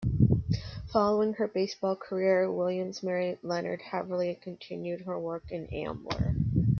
Following her baseball career, Williams married Leonard Heverly and continued her work in Ambler.